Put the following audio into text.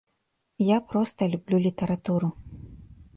Я проста люблю літаратуру.